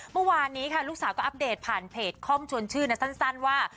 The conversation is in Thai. เมื่อวานนี้ค่ะลูกสาวก็อัปเดตผ่านเพจคอมชวนชื่อนะสั้นว่า